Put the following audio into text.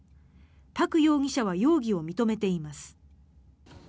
パク容疑者は容疑を認めています。